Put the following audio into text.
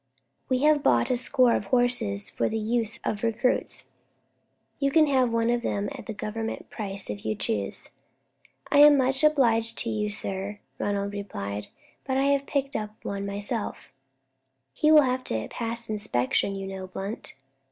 "We have bought a score of horses for the use of recruits. You can have one of them at the Government price if you choose." "I am much obliged to you, sir," Ronald replied, "but I picked one up myself." "He will have to pass inspection, you know, Blunt?"